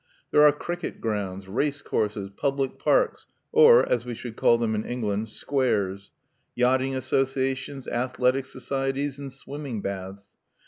There are cricket grounds, racecourses, public parks, or, as we should call them in England, "squares," yachting associations, athletic societies, and swimming baths.